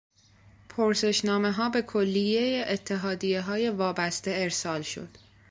پرسشنامهها به کلیه اتحادیههای وابسته ارسال شد.